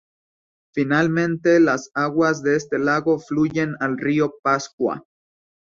Finalmente las aguas de este lago fluyen al Río Pascua.